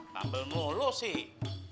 sambel mulut sih